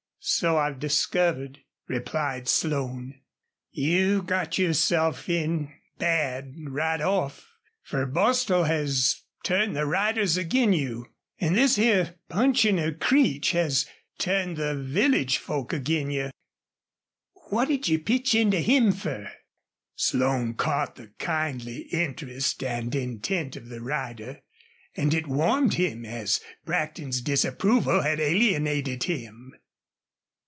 "So I've discovered," replied Slone. "You got yourself in bad right off, fer Bostil has turned the riders ag'in you, an' this here punchin' of Creech has turned the village folks ag'in you. What'd pitch into him fer?" Slone caught the kindly interest and intent of the rider, and it warmed him as Brackton's disapproval had alienated him.